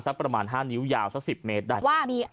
ประมาณ๕นิ้วยาวสัก๑๐เมตรได้